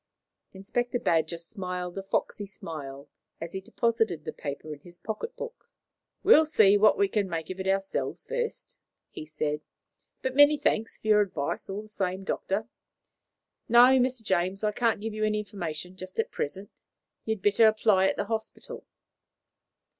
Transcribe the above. Inspector Badger smiled a foxy smile as he deposited the paper in his pocket book. "We'll see what we can make of it ourselves first," he said; "but many thanks for your advice, all the same, Doctor. No, Mr. James, I can't give you any information just at present; you had better apply at the hospital."